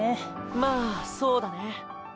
まあそうだね。